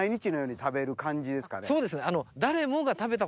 そうですね。